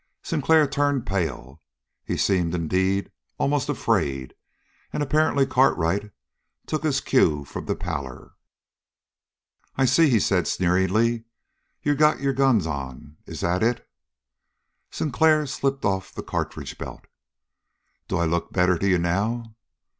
Sinclair turned pale. He seemed, indeed, almost afraid, and apparently Cartwright took his cue from the pallor. "I see," he said sneeringly. "You got your guns on. Is that it?" Sinclair slipped off the cartridge belt. "Do I look better to you now?"